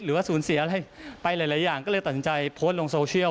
หรือว่าสูญเสียอะไรไปหลายอย่างก็เลยตัดสินใจโพสต์ลงโซเชียล